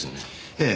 ええ。